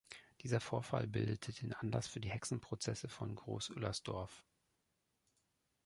Dieser Vorfall bildete den Anlass für die Hexenprozesse von Groß Ullersdorf.